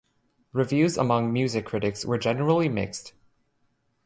Reviews among music critics were generally mixed.